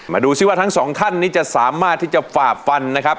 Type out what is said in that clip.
มันดูสิว่าทั้งสองท่านเจ้าสามารถฝาบฟัน